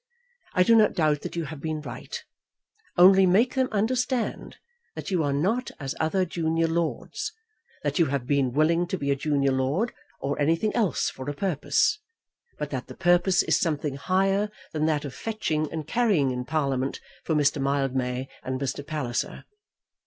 I do not doubt that you have been right, only make them understand that you are not as other junior lords; that you have been willing to be a junior lord, or anything else for a purpose; but that the purpose is something higher than that of fetching and carrying in Parliament for Mr. Mildmay and Mr. Palliser."